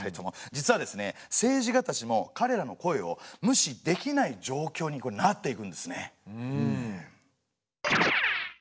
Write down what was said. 実は政治家たちもかれらの声を無視できない状況になっていくんですね。